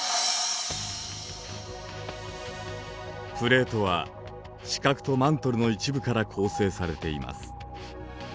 プレートは地殻とマントルの一部から構成されています。